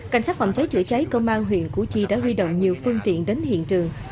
cảnh sát phòng cháy chữa cháy công an huyện củ chi đã huy động nhiều phương tiện đến hiện trường